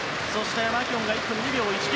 マキュオンが１分２秒１９。